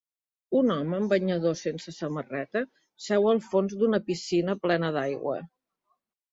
Un home amb banyador sense samarreta seu al fons d'una piscina plena d'aigua.